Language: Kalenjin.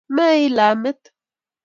meila met